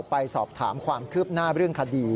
ไปสอบถามความคืบหน้าเรื่องคดี